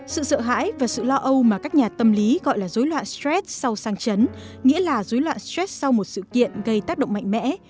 sự sợ hãi và sự lo âu mà các nhà tâm lý gọi là dối loạn stress sau sang chấn nghĩa là dối loạn stress sau một sự kiện gây tác động mạnh mẽ